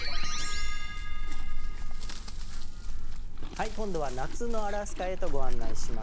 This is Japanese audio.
はい今度は夏のアラスカへとご案内します。